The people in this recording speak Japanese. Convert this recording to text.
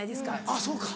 あぁそうか。